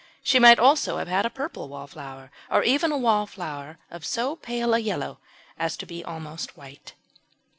She might also have had a purple Wallflower, and even a Wallflower of so pale a yellow as to be almost white.